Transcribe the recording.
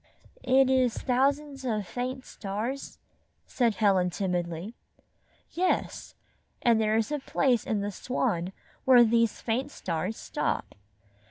"It is thousands of faint stars," said Helen, timidly. "Yes, and there is a place in the Swan where these faint stars stop.